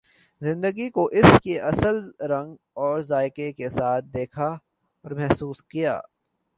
زندگی کو اس کے اصل رنگ اور ذائقہ کے ساتھ دیکھا اور محسوس کیا۔